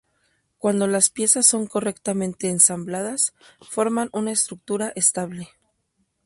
Cuando las piezas son correctamente ensambladas, forman una estructura estable.